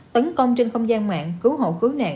tấn công trên không gian mạng cứu hộ cứu nạn